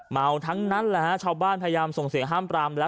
เมาทั้งนั้นแหละฮะชาวบ้านพยายามส่งเสียงห้ามปรามแล้ว